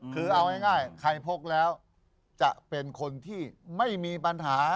คือเอาง่ายใครพกแล้วจะเป็นคนที่ไม่มีปัญหา